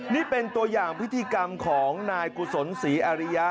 นี่เป็นตัวอย่างพิธีกรรมของนายกุศลศรีอาริยะ